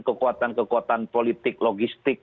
kekuatan kekuatan politik logistik